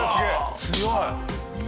強い！